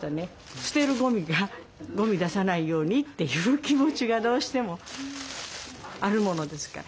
ゴミ出さないようにという気持ちがどうしてもあるものですから。